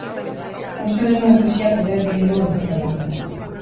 Uste genuen krisiak hobeak egingo gintuela.